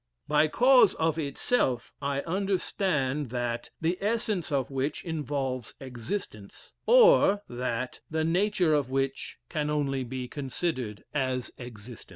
By cause of itself I understand that, the essence of which involves existence: or that, the nature of which can only be considered as existent.